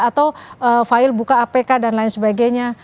atau file buka apk dan lain sebagainya